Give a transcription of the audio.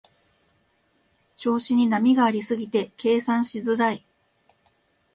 調子に波がありすぎて計算しづらい